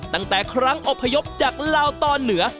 ตั้งแต่ครั้งอพยพจากลาวตอนเหนือ